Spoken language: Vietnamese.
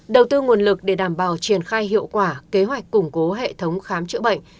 đầu tư nguồn lực để đảm bảo triển khai hiệu quả kế hoạch củng cố hệ thống khám chữa bệnh